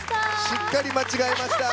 しっかり間違えました。